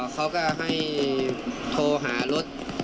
เขาก็ให้โทรหารถ